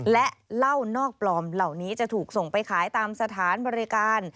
และเหล้านอกปลอมเหล่านี้จะถูกส่งไปขายตามสถานบริการ